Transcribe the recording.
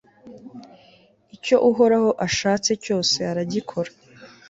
icyo uhoraho ashatse cyose, aragikora